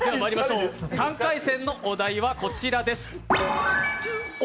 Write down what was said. ３回戦のお題はこちらです。